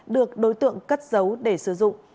được đối tượng cất giấu để sử dụng